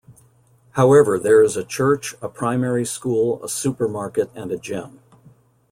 However there is a church, a primary school, a super market and a gym.